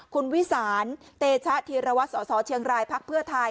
คุณวิสานเตชะธิระวัสสเชียงรายพไทย